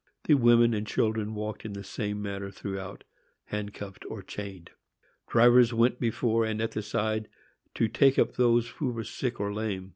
The women and children walked in the same manner throughout, handcuffed or chained. Drivers went before and at the side, to take up those who were sick or lame.